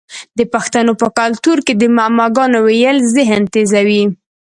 د پښتنو په کلتور کې د معما ګانو ویل ذهن تیزوي.